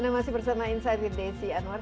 anda masih bersama insightful desi anwar